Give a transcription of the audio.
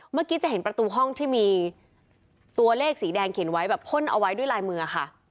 เมื่อกี้จะเห็นประตูห้องที่มีตัวเลขสีแดงเขียนไว้แบบพ่นเอาไว้ด้วยลายมือค่ะ